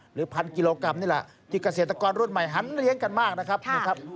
หรือพันกิโลกรัมนี่แหละที่เกษตรกรรุ่นใหม่หันเลี้ยงกันมากนะครับ